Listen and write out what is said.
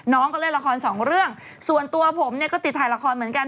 ก็เล่นละครสองเรื่องส่วนตัวผมเนี่ยก็ติดถ่ายละครเหมือนกัน